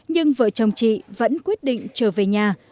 nhưng vợ chồng chị vẫn quyết định trở về nhà